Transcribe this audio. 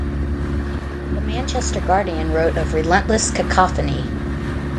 "The Manchester Guardian" wrote of "relentless cacophony".